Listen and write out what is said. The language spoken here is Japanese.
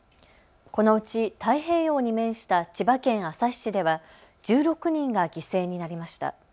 このうち太平洋に面した千葉県旭市では１６人が犠牲になりました。